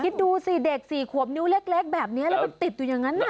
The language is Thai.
คิดดูสิเด็ก๔ขวบนิ้วเล็กแบบนี้แล้วมันติดอยู่อย่างนั้น